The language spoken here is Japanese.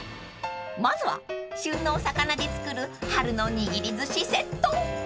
［まずは旬のお魚で作る春のにぎりずしセット］